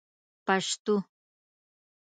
پشتو